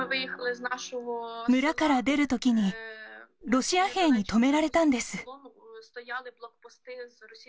村から出るときに、ロシア兵に止められたんです。